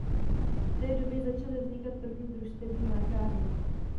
V té době začaly vznikat první družstevní mlékárny.